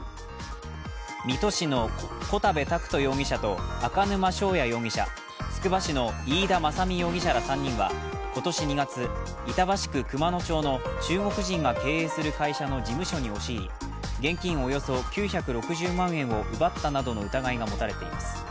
水戸市の小田部拓人容疑者と赤沼翔哉容疑者、つくば市の飯田政実容疑者らは今年２月、板橋区熊野町の中国人が経営する会社の事務所に押し入り、現金およそ９６０万円を奪ったなどの疑いが持たれています。